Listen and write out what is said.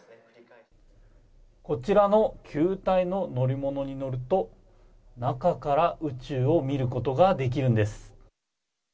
こちらの球体の乗り物に乗ると中から宇宙を見ることができるんです。